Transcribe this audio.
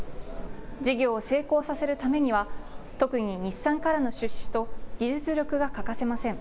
事業を成功させるためには、特に日産からの出資と、技術力が欠かせません。